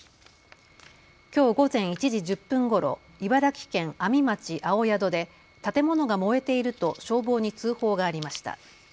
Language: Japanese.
きょう午前１時１０分ごろ、茨城県阿見町青宿で建物が燃えていると消防に通報がありました。